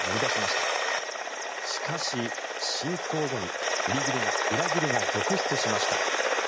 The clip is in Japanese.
しかし、侵攻後に裏切りが続出しました。